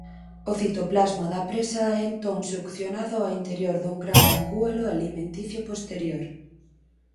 O citoplasma da presa é entón succionado ao interior dun gran vacúolo alimenticio posterior.